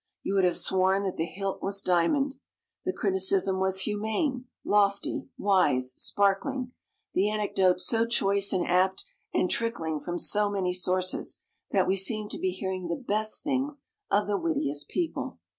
You would have sworn that the hilt was diamond. The criticism was humane, lofty, wise, sparkling; the anecdote so choice and apt, and trickling from so many sources, that we seemed to be hearing the best things of the wittiest people.